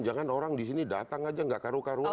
jangan orang di sini datang aja nggak karu karuan